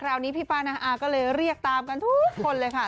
นี้พี่ป้านาอาก็เลยเรียกตามกันทุกคนเลยค่ะ